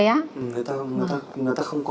người ta không có